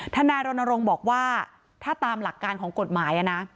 นายรณรงค์บอกว่าถ้าตามหลักการของกฎหมายนะ